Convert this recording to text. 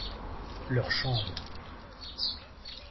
Leurs chambres.